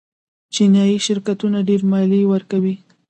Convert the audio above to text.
چینايي شرکتونه ډېرې مالیې ورکوي.